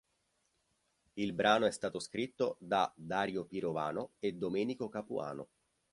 Il brano è stato scritto da Dario Pirovano e Domenico Capuano.